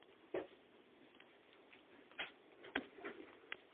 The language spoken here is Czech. Pobřeží je silně členité.